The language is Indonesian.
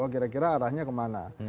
kira kira arahnya kemana